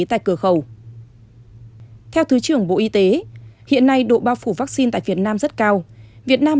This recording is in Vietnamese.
tại cửa khẩu theo thứ trưởng bộ y tế hiện nay độ bao phủ vaccine tại việt nam rất cao việt nam